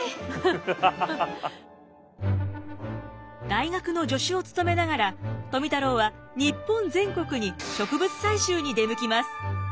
大学の助手を務めながら富太郎は日本全国に植物採集に出向きます。